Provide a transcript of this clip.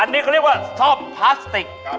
อันนี้เขาเรียกว่าซ่อมพลาสติก